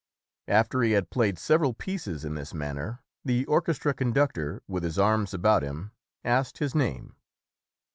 After he had played several pieces in this man ner, the orchestra conductor with his arms about him asked his name.